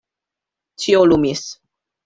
Ĉio lumis.